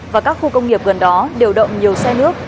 và các khu công nghiệp gần đó điều động nhiều xe nước